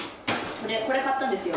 これ買ったんですよ。